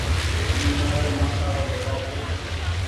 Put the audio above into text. اي مآري مآسآ رو ٻيٽآ ڇي۔